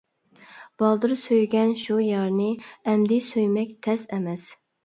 بالدۇر سۆيگەن شۇ يارنى، ئەمدى سۆيمەك تەس ئەمەس.